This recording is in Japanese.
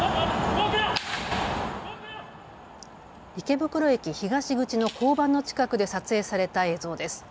池袋駅東口の交番の近くで撮影された映像です。